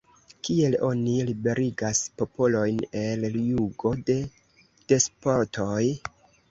Kiel oni liberigas popolojn el jugo de despotoj?